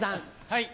はい。